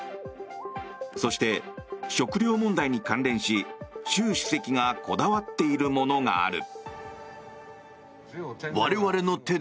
そして食料問題に関連し習主席がこだわっているものがある。